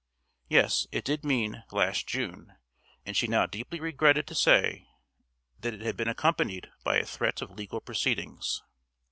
Yes, it did mean last June; and she now deeply regretted to say that it had been accompanied by a threat of legal proceedings.